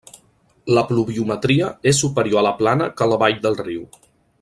La pluviometria és superior a la plana que a la vall del riu.